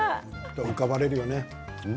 浮かばれるよね。